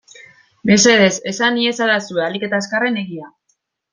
Mesedez esan iezadazue ahalik eta azkarren egia.